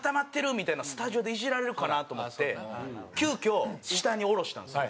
みたいなスタジオでイジられるかなと思って急きょ下に下ろしたんですよ。